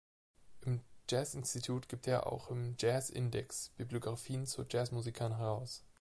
Im Jazzinstitut gibt er auch im "Jazz Index" Bibliographien zu Jazzmusikern heraus.